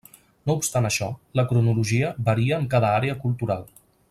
No obstant això, la cronologia varia en cada àrea cultural.